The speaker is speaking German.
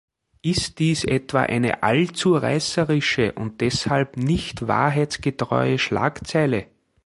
Ist dies etwa eine allzu reißerische und deshalb nicht wahrheitsgetreue Schlagzeile?